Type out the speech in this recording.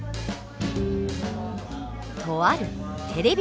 とあるテレビ